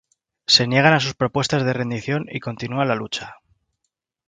Se niegan a sus propuestas de rendición y continúan la lucha.